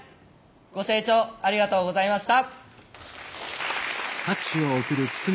ご清聴ありがとうございました。